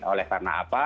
oleh karena apa